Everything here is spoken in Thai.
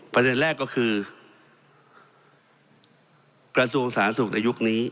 ประเด็นแรกก็คือกระทรวงสาธารณสุขในยุคนี้